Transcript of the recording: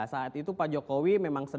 saat itu pak jokowi memang sedang berjoget